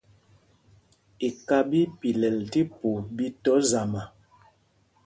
Iká ɓí í pilɛl tí pûp ɓi tɔ zama.